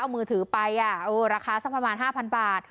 เอามือถือไปราคาสักประมาณ๕๐๐บาท